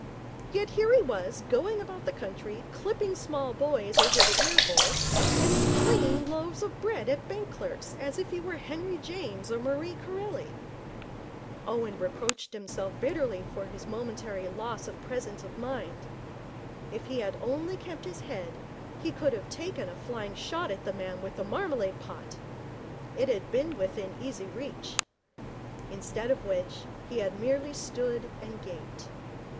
Yet here he was going about the country clipping small boys over the ear hole, and flinging loaves of bread at bank clerks as if he were Henry James or Marie Corelli. Owen reproached himself bitterly for his momentary loss of presence of mind. If he had only kept his head, he could have taken a flying shot at the man with the marmalade pot. It had been within easy reach. Instead of which, he had merely stood and gaped.